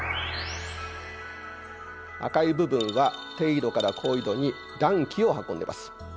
赤い部分が低緯度から高緯度に暖気を運んでます。